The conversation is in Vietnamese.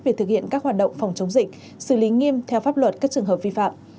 về thực hiện các hoạt động phòng chống dịch xử lý nghiêm theo pháp luật các trường hợp vi phạm